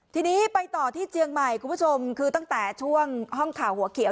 ทีนี้ไปต่อที่เจียงใหม่คุณผู้ชมคือตั้งแต่ช่วงห้องข่าวหัวเขียว